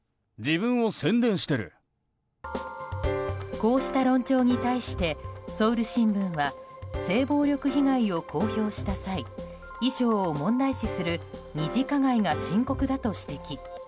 こうした論調に対してソウル新聞はこうした性暴力被害公表した際衣装を問題視する二次加害が深刻だと指摘。